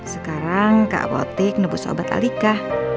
sekarang kak botik nabuk sobat halika